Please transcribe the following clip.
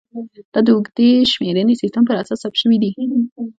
دا د اوږدې شمېرنې سیستم پر اساس ثبت شوې وې